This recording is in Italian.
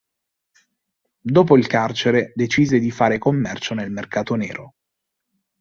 Dopo il carcere decise di fare commercio nel mercato nero.